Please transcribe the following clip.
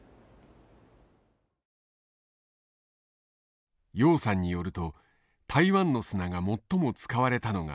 楊さんによると台湾の砂が最も使われたのが香港の空港。